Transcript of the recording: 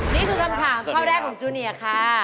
นี่คือคำถามข้อแรกของจูเนียค่ะ